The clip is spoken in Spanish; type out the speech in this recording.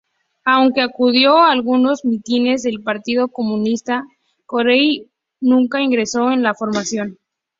Aunque acudió a algunos mítines del Partido Comunista, Corey nunca ingresó en la formación.